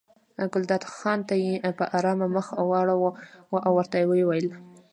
ګلداد خان ته یې په ارامه مخ واړاوه او ورته ویې ویل.